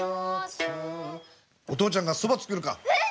お父ちゃんがそば作るか？